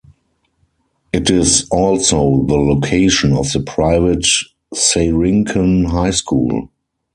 It is also the location of the private Seirinkan High School.